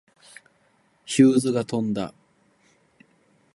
ヒューズが飛んだ。